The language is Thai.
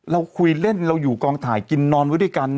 เราคุยเล่นเราอยู่กองถ่ายกินนอนไว้ด้วยกัน